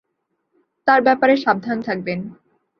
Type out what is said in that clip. তার ব্যাপারে সাবধান থাকবেন।